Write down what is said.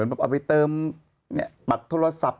เอาไปเติมบัตรโทรศัพท์